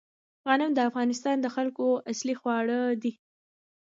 غنم د افغانستان د خلکو اصلي خواړه دي